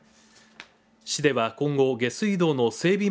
市では今後下水道の整備